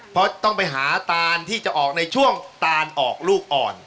เพราะต้องไปหาตานที่จะออกในช่วงตานออกลูกอ่อน